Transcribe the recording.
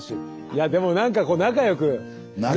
いやでもなんかこう仲良く。